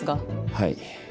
はい。